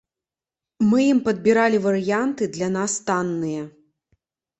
Мы ім падбіралі варыянты, для нас танныя.